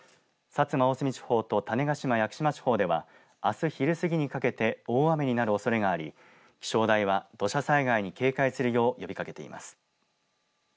薩摩、大隅地方と種子島・屋久島地方ではあす昼過ぎにかけて大雨になるおそれがあり気象台は土砂災害に警戒するよう呼びかけています。